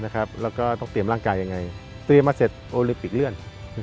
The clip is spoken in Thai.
แล้วก็ต้องเตรียมร่างกายยังไงเตรียมมาเสร็จโอลิมปิกเลื่อน